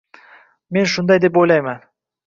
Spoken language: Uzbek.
Men shunday deb o‘ylayman.